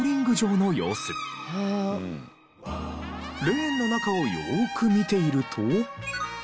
レーンの中をよーく見ていると。